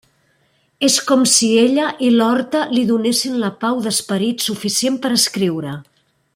És com si ella i l'horta li donessin la pau d'esperit suficient per escriure.